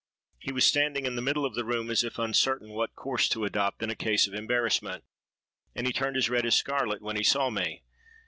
He was standing in the middle of the room, as if uncertain what course to adopt in a case of embarrassment; and he turned as red as scarlet when he saw me.